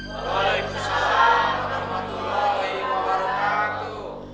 waalaikumsalam warahmatullahi wabarakatuh